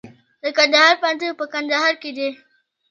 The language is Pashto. د کندهار پوهنتون په کندهار کې دی